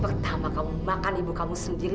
pertama kamu makan ibu kamu sendiri